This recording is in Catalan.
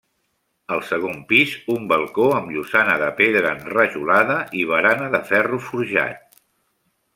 Al segon pis, un balcó amb llosana de pedra enrajolada, i barana de ferro forjat.